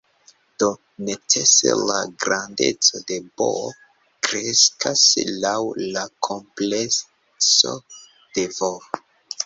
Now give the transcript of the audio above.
Do, necese la grandeco de "B" kreskas laŭ la komplekseco de "V".